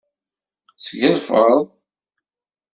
Tesgelfeḍ.